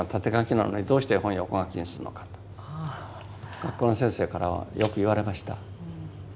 学校の先生からはよく言われました。